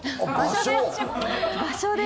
場所です。